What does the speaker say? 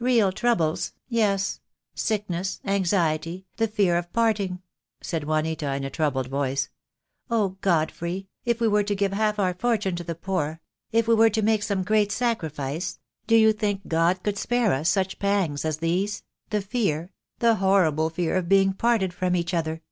"Real troubles — yes — sickness, anxiety, the fear of parting," said Juanita, in a troubled voice. "Oh, God frey, if we were to give half our fortune to the poor — if we were to make some great sacrifice — do you think God would spare us such pangs as these — the fear — the horrible fear of being parted from each other?"